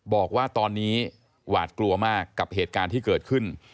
บอกว่าตอนนี้หวาดกลัวมากกับเหตุการณ์ที่เกิดขึ้น